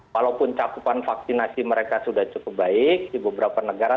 walaupun cakupan vaksinasi mereka sudah cukup baik di beberapa negara